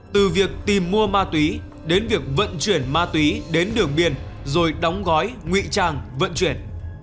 từ việc tìm mua ma túy đến việc vận chuyển ma túy đến đường biên rồi đóng gói nguy trang vận chuyển